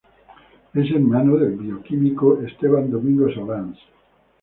Es hermano del bioquímico Esteban Domingo Solans.